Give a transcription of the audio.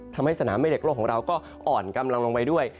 ทำให้สนามแม่เหล็กโลกของเราก็อ่อนกำลังลงไปด้วย